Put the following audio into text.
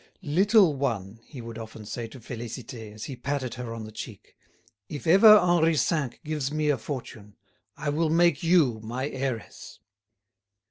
"Little one," he would often say to Félicité, as he patted her on the cheek, "if ever Henri V. gives me a fortune, I will make you my heiress!"